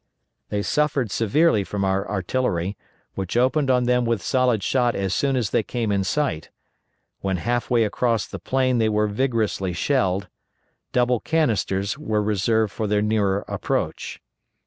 They suffered severely from our artillery, which opened on them with solid shot as soon as they came in sight; when half way across the plain they were vigorously shelled; double canisters were reserved for their nearer approach.